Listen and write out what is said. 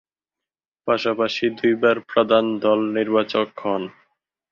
পাশাপাশি, দুইবার প্রধান দল নির্বাচক হন।